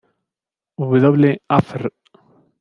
W. Afr.